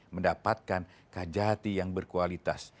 mendapatkan kajati yang berkualitas